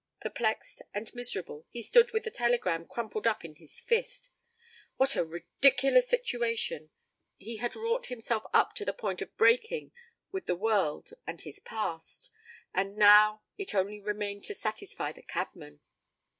Perplexed and miserable, he stood with the telegram crumpled up in his fist. What a ridiculous situation! He had wrought himself up to the point of breaking with the world and his past, and now it only remained to satisfy the cabman!